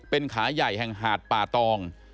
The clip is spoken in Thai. เป็นขาใหญ่แห่งหาดป่าตอง